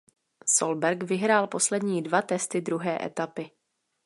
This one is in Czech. Solberg vyhrál poslední dva testy druhé etapy.